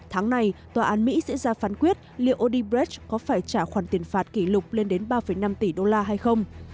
tháng này tòa án mỹ sẽ ra phán quyết liệu odibreg có phải trả khoản tiền phạt kỷ lục lên đến ba năm tỷ đô la hay không